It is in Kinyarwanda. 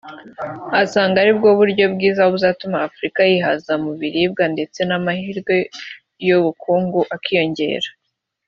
asanga aribwo buryo bwiza buzatuma Afurika yihaza mu biribwa ndetse n’amahirwe y’ubukungu akiyongera